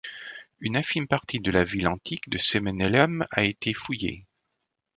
Une infime partie de la ville antique de Cemenelum a été fouillée.